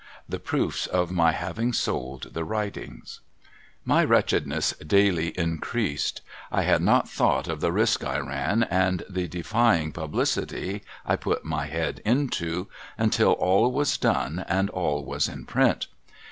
The Proofs of my having sold the "Writings. My wretchedness daily increased. I had not thought of the risk I ran, and the defying publicity I put my head into, until all was done, and all was in print.